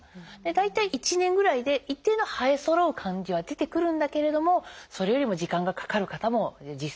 大体１年ぐらいで一定の生えそろう感じは出てくるんだけれどもそれよりも時間がかかる方も実際はすごく多いんですね。